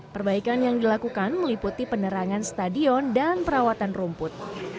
perbaikan yang dilakukan meliputi penerangan stadion dan perawatan rumput